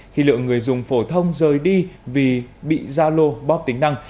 khi lượng người dùng phổ thông rời đi vì bị zalo bóp tính năng